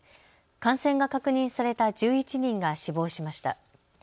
感染が確認された１１人が死亡しました。